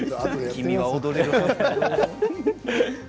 君は踊れるよ。